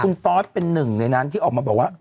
คุณตอสเป็นหนึ่งในนั้นที่ออกมาบอกว่า